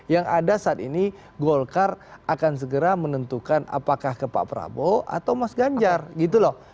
yang ada saat ini golkar akan segera menentukan apakah ke pak prabowo atau mas ganjar gitu loh